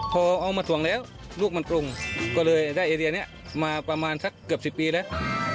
พอเอามาถ่วงแล้วลูกมันปรุงก็เลยได้ไอเดียนี้มาประมาณสักเกือบ๑๐ปีแล้ว